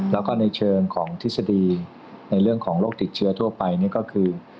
แล้วก็ในเชิงของทฤษฎีในเรื่องของโรคติดเชื้อทั่วไปนี่ก็คือ